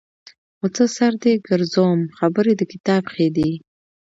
خو څه سر دې ګرځوم خبرې د کتاب ښې دي.